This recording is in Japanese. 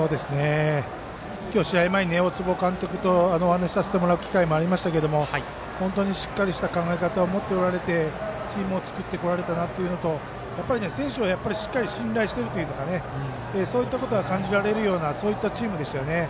今日、試合前に大坪監督とお話させてもらう機会もありましたけど本当にしっかりした考え方を持っておられてチームを作ってこられたなというのと選手はしっかり信頼しているというそういったことが感じられるチームでしたね。